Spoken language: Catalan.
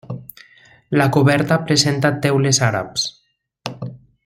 La coberta presenta teules àrabs.